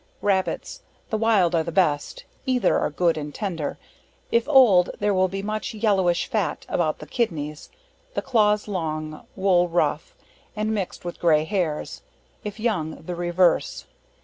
Rabbits, the wild are the best, either are good and tender; if old there will be much yellowish fat about the kidneys, the claws long, wool rough, and mixed with grey hairs; if young the reverse.